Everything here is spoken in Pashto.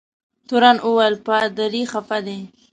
تورن وویل پادري خفه دی.